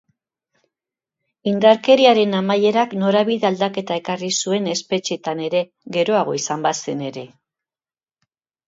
Indarkeriaren amaierak norabide aldaketa ekarri zuen espetxeetan ere, geroago izan bazen ere.